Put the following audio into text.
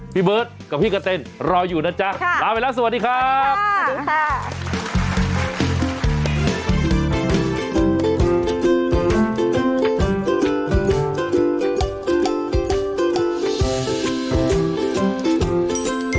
พี่เบิร์ตกับพี่กะเตนรออยู่นะจ๊ะลาไปแล้วสวัสดีครับ